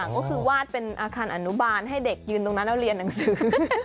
ก็คือวาดเป็นอาคารอนุบาลให้เด็กยืนตรงนั้นแล้วเรียนหนังสือ